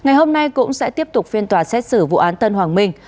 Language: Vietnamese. ngày hôm nay cũng sẽ tiếp tục phiên tòa xét xử vụ án tân hoàng minh